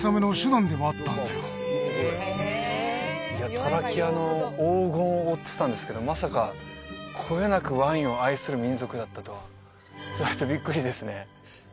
トラキアの黄金を追ってたんですけどまさかこよなくワインを愛する民族だったとはちょっとビックリですね